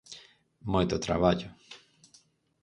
Moito traballo...